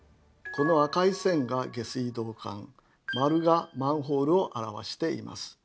この赤い線が下水道管丸がマンホールを表しています。